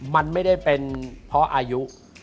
มันไม่ได้เป็นเพราะอายุ